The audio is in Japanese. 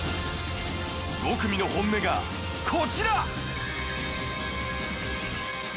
５組の本音がこちら